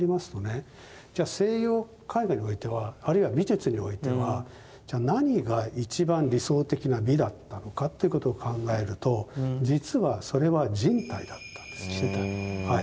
じゃ西洋絵画においてはあるいは美術においては何が一番理想的な美だったのかということを考えると実はそれは人体だったんです。